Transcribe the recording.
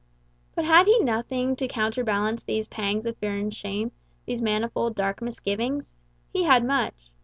But had he nothing to counterbalance these pangs of fear and shame, these manifold dark misgivings? He had much.